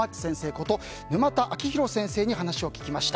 こと沼田晶弘先生にお話を聞きました。